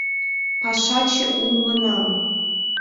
Пашаче улмынам